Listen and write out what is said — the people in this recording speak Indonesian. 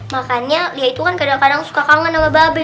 makanya lia itu kan kadang kadang suka kangen sama mpa abe